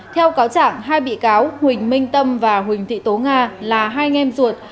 theo cáo trạng hai bị cáo huỳnh minh tâm và huỳnh thị tố nga là hai nghem ruột